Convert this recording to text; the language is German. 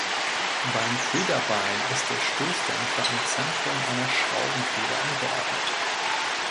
Beim Federbein ist der Stoßdämpfer im Zentrum einer Schraubenfeder angeordnet.